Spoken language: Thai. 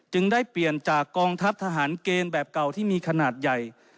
ได้เปลี่ยนจากกองทัพทหารเกณฑ์แบบเก่าที่มีขนาดใหญ่